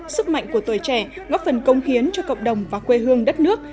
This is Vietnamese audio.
sức mạnh của tuổi trẻ góp phần công khiến cho cộng đồng và quê hương đất nước